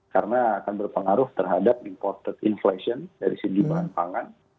karena akan berpengaruh terhadap imported inflation dari sisi bahan pangan